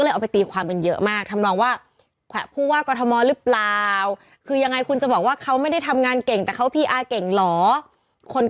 และทำเรื่องชาติสำคัญก่ัน